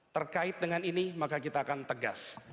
terkait dengan ini maka kita akan tegas